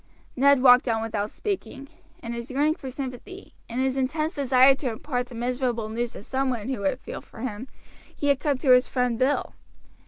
Ned walked on without speaking. In his yearning for sympathy, in his intense desire to impart the miserable news to some one who would feel for him, he had come to his friend Bill.